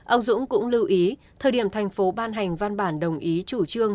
ông dũng cũng lưu ý thời điểm thành phố ban hành văn bản đồng ý chủ trương